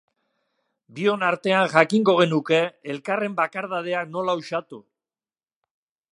Bion artean jakingo genuke elkarren bakardadeak nola uxatu!